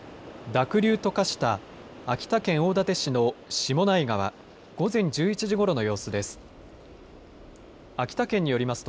濁流と化した秋田県大館市の下内川、午前１１時ごろの様子です。